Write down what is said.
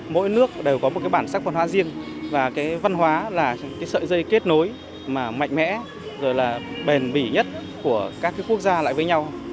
mỗi nước đều có một bản sắc văn hóa riêng và văn hóa là sợi dây kết nối mạnh mẽ bền bỉ nhất của các quốc gia lại với nhau